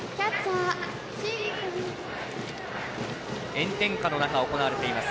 炎天下の中、行われています。